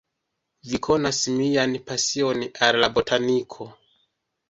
Vi konas mian pasion al la botaniko.